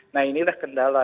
nah inilah kendala